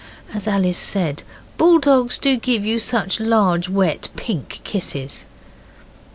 As Alice said, 'Bulldogs do give you such large, wet, pink kisses.